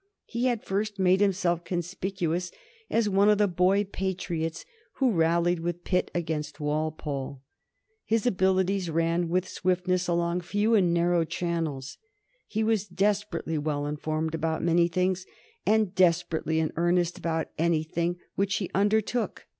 He had first made himself conspicuous as one of the Boy Patriots who rallied with Pitt against Walpole. His abilities ran with swiftness along few and narrow channels. He was desperately well informed about many things, and desperately in earnest about anything which he undertook.